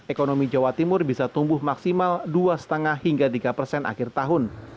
ekonomi jawa timur bisa tumbuh maksimal dua lima hingga tiga persen akhir tahun